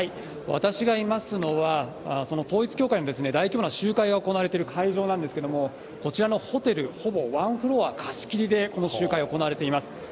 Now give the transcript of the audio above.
私がいますのは、その統一教会の大規模な集会が行われている会場なんですけれども、こちらのホテル、ほぼワンフロア貸し切りでこの集会は行われています。